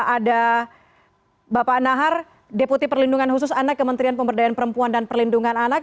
ada bapak nahar deputi perlindungan khusus anak kementerian pemberdayaan perempuan dan perlindungan anak